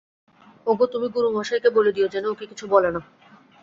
-ওগো, তুমি গুরুমশায়কে বলে দিয়ো যেন ওকে কিছু বলে না।